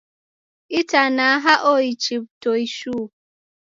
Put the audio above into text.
Itanaha oichi w'utoi shuu